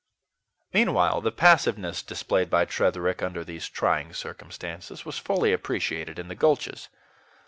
Meanwhile the passiveness displayed by Tretherick under these trying circumstances was fully appreciated in the gulches.